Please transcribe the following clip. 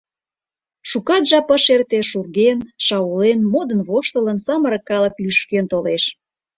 Шукат жап ыш эрте — шурген, шаулен, модын-воштылын, самырык калык лӱшкен толеш...